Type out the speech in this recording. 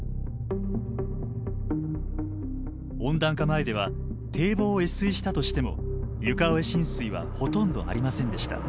温暖化前では堤防を越水したとしても床上浸水はほとんどありませんでした。